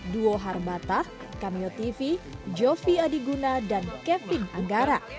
duo harbatah cameo tv jovi adiguna dan kevin anggara